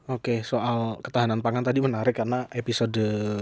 oke soal ketahanan pangan tadi menarik karena episode